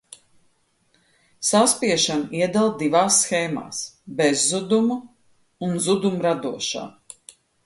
Saspiešanu iedala divās shēmās: bezzudumu un zudumradošā.